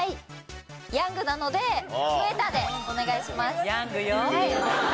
ヤングなので増えたでお願いします。